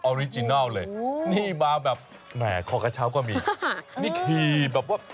อริจินัลเลยนี่มาแบบแหมคอกระเช้าก็มีนี่คือแบบว่า